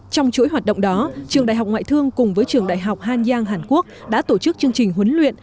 trong chuỗi hoạt động đó trường đại học ngoại thương cùng với trường đại học hanyang hàn quốc đã tổ chức chương trình huấn luyện